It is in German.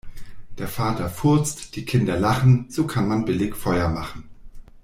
Der Vater furzt, die Kinder lachen, so kann man billig Feuer machen.